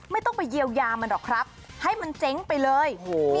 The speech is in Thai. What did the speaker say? ไม่ต้องไปเยียวยามันหรอกครับให้มันเจ๊งไปเลย